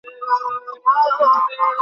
ফাইলগুলির জন্য ছিল।